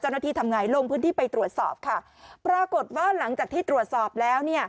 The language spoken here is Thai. เจ้าหน้าที่ทำไงลงพื้นที่ไปตรวจสอบปรากฏว่าหลังจากที่ตรวจสอบแล้ว